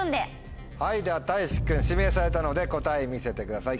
ではたいし君指名されたので答えを見せてください。